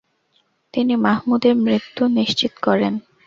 তিনি মাহমুদের মৃত্যু নিশ্চিত করেন ।